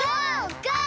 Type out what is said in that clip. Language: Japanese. ゴー！